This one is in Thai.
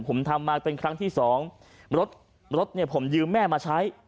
ผมทำมาเป็นครั้งที่๒รถผมยืมแม่มาใช้